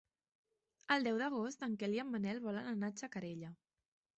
El deu d'agost en Quel i en Manel volen anar a Xacarella.